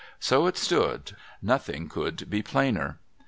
So it stood ; nothing could be plainer.